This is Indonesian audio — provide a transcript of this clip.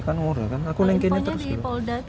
aku nengkinnya terus dulu